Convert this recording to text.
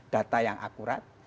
data yang akurat